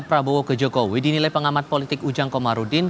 prabowo ke jokowi dinilai pengamat politik ujang komarudin